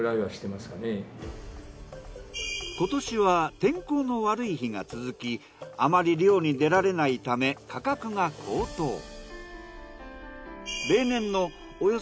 今年は天候の悪い日が続きあまり漁に出られないため価格が高騰。